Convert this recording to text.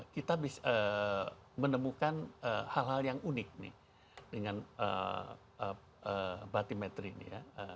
kita menemukan hal hal yang unik nih dengan batimetri ini ya